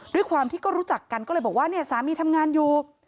ด้วยความที่ก็รู้จักกันก็เลยบอกว่าเนี่ยสามีทำงานอยู่